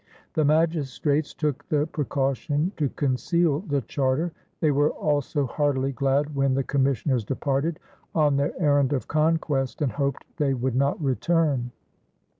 The magistrates took the precaution to conceal the charter; they were also heartily glad when the commissioners departed on their errand of conquest and hoped they would not return.